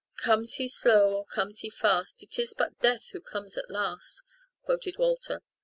"'Comes he slow or comes he fast It is but death who comes at last.'" quoted Walter.